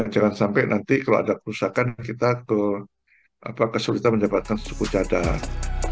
jangan sampai nanti kalau ada kerusakan kita kesulitan mendapatkan suku cadang